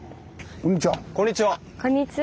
こんにちは。